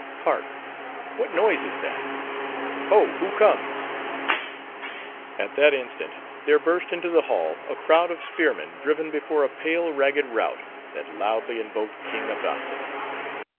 —Hark!—what noise is that?—Ho, who comes?" At that instant, there burst into the hall, a crowd of spearmen, driven before a pale, ragged rout, that loudly invoked King Abrazza.